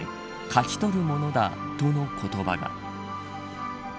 勝ちとるものだ、との言葉が。